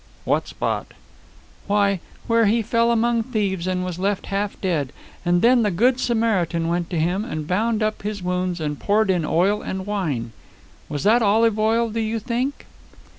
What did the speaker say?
"What spot?" "Why, where he fell among thieves and was left half dead. And then the good Samaritan went to him, and bound up his wounds, and poured in oil and wine was that olive oil, do you think?"